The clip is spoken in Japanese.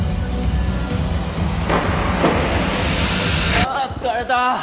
ああ疲れた！